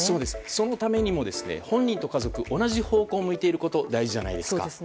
そのためにも本人と家族同じ方向を向いていることが大事じゃないですか。